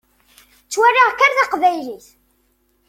Ttwaliɣ kan taqbaylit.